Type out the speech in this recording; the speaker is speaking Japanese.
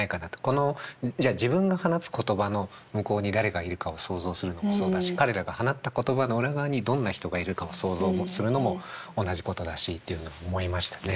このじゃあ自分が放つ言葉の向こうに誰がいるかを想像するのもそうだし彼らが放った言葉の裏側にどんな人がいるかを想像するのも同じことだしっていうのは思いましたね。